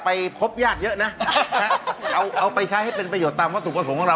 ไปต่อยอดสร้างอาชีพอย่างไรบ้างคะ